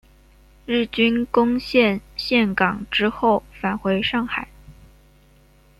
日军攻陷陷港之后返回上海。